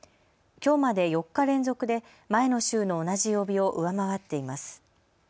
きょうまで４日連続で前の週の同じ曜日を上回っています。